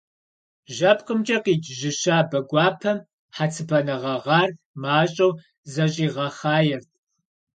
ЖьэпкъымкӀэ къикӀ жьы щабэ гуапэм хьэцыбанэ гъэгъар мащӀэу зэщӀигъэхъаерт.